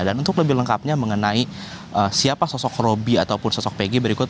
dan untuk lebih lengkapnya mengenai siapa sosok robby ataupun sosok pg berikut